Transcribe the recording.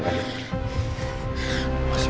udah temenin andi